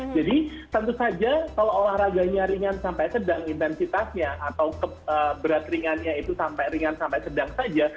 jadi tentu saja kalau olahraganya ringan sampai sedang intensitasnya atau keberat ringannya itu sampai ringan sampai sedang saja